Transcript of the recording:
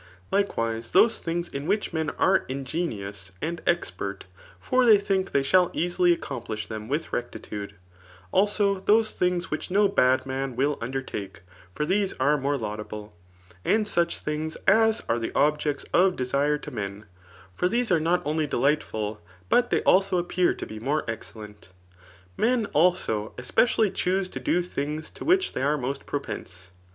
Likewise, those things in wbich ra^i are ingenious and expert i for they think thiey idbdl easily accoaiplish them with rectitude. AJbo, those dkbigs wUch no bad man will undertake ; for these am aiore laudable. And such things as are the objects of Retire to men ; for these are not only delightful, but they also appear to be more excellent. Men, dso, spe cially chuse to do those things to which they are most |M»pense.